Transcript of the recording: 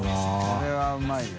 これはうまいよ。